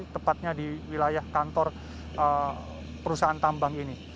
tepatnya di wilayah kantor perusahaan tambang ini